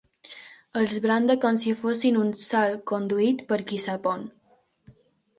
Els branda com si fossin un salconduit per qui sap on.